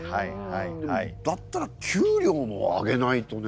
でもだったら給料も上げないとね。